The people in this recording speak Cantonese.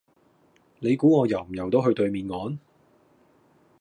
你估我游唔游到去對面岸？